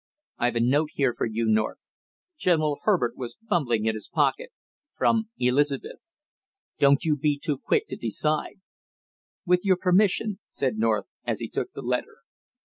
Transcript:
"I've a note here for you, North " General Herbert was fumbling in his pocket "from Elizabeth. Don't you be too quick to decide!" "With your permission," said North as he took the letter.